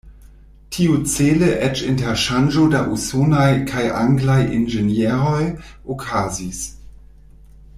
Tiucele eĉ interŝanĝo da usonaj kaj anglaj inĝenieroj okazis.